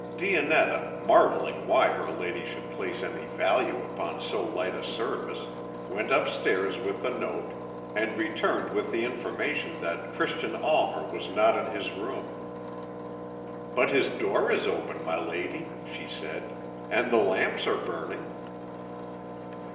Dionetta, marvelling why her lady should place any value upon so slight a service, went upstairs with the note, and returned with the information that Christian Almer was not in his room. "But his door is open, my lady," she said, "and the lamps are burning."